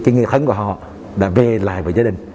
người thân của họ đã về lại với gia đình